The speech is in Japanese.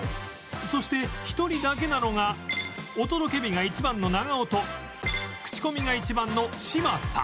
そして一人だけなのがお届け日が１番の長尾と口コミが１番の嶋佐